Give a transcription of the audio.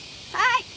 はい！